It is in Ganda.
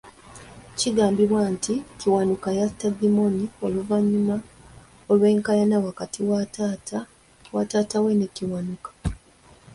Kigambibwa nti Kiwanuka yatta Gimmony oluvannyuma lw'enkaayana wakati wa taata we ne Kiwanuka.